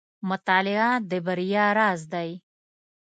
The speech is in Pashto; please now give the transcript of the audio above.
• مطالعه د بریا راز دی.